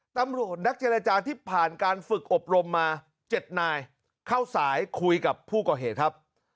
ตำรวจนักเจรจาที่ผ่านการฝึกอบรมมา๗นายเข้าสายคุยกับผู้ก่อเหตุครับ